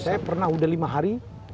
saya pernah udah lima hari